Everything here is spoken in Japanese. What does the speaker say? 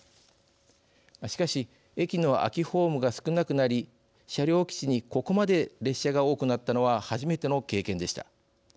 しかし駅の空きホームが少なくなり車両基地にここまで列車が多くなったのは初めての経験でした。